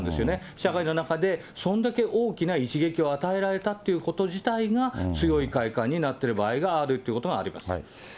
社会の中でそんだけ大きな一撃を与えられたってこと自体が強い快感になっている場合があるということになります。